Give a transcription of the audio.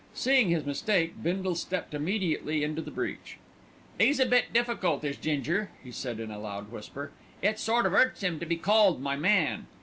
Seeing his mistake, Bindle stepped immediately into the breach. "'E's a bit difficult, is Ginger," he said in a loud whisper. "It sort o' 'urts 'im to be called 'my man.'